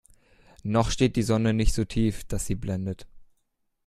Noch steht die Sonne nicht so tief, dass sie blendet.